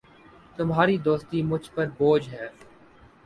تمہاری دوستی مجھ پر بوجھ ہے